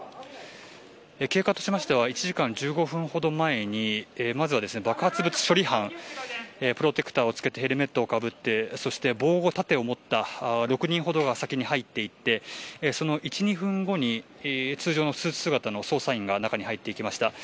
経過としては１時間１５分ほど前にまずは爆発物処理班がプロテクターを着けてヘルメットをかぶって防護盾を持った６人ほどが先に入っていってその１２分後に通常のスーツ姿の捜査員が中に入っていきました。